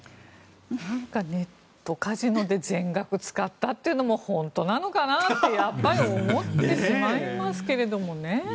なんか、ネットカジノで全額使ったっていうのも本当なのかなってやっぱり思ってしまいますけれどもね。